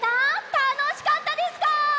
たのしかったですか？